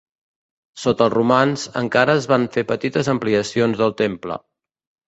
Sota els romans, encara es van fer petites ampliacions del temple.